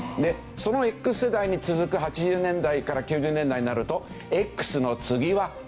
そのＸ世代に続く８０年代から９０年代になるとＸの次はＹ。